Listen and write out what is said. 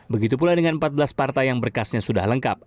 begitu pula dengan empat belas partai yang berkasnya sudah lengkap